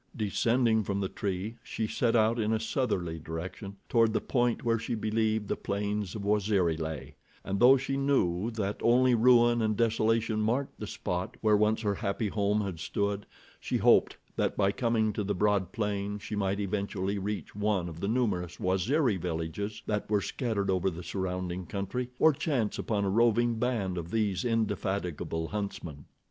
Descending from the tree, she set out in a southerly direction, toward the point where she believed the plains of Waziri lay, and though she knew that only ruin and desolation marked the spot where once her happy home had stood, she hoped that by coming to the broad plain she might eventually reach one of the numerous Waziri villages that were scattered over the surrounding country, or chance upon a roving band of these indefatigable huntsmen.